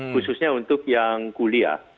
khususnya untuk yang kuliah